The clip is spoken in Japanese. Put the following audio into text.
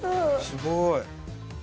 すごい。